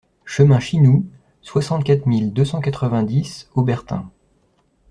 Chemin Chinou, soixante-quatre mille deux cent quatre-vingt-dix Aubertin